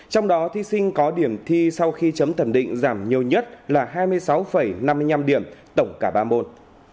trong đó thí sinh có điểm thi sau khi chấm thẩm định giảm nhiều nhất là hai mươi sáu năm mươi năm điểm tổng cả ba môn